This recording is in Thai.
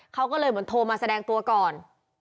เขาก็เลยโทรมาแสดงตัวก่อน